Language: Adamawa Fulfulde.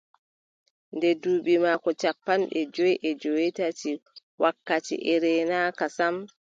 Nde duuɓi maako cappanɗe jowi e joweetati, wakkati e reenaaka sam,